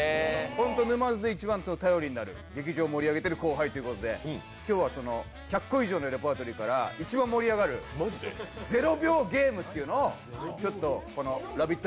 本当に沼津で一番頼りになる劇場を盛り上げている後輩ということで今日はその１００個以上のレパートリーから一番盛り上がる「０秒ゲーム」というのを「ラヴィット！」